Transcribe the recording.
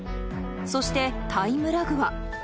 そしてタイムラグは。